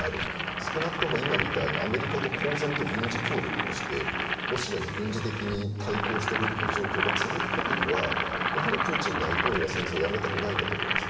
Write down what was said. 少なくとも今みたいにアメリカと公然と軍事協力をしてロシアに軍事的に対抗している状況が続く限りはやはりプーチン大統領は戦争をやめたくないんだと思うんですよ。